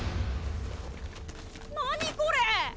何これ！